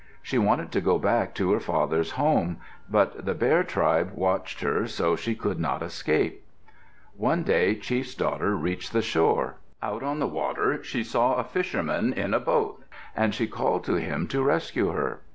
She wanted to go back to her father's home, but the Bear tribe watched her so she could not escape. One day chief's daughter reached the shore. Out on the water she saw a fisherman in a boat, and she called to him to rescue her.